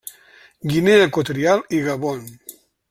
Guinea Equatorial i Gabon.